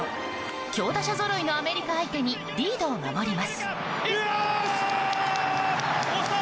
強打者ぞろいのアメリカ相手にリードを守ります。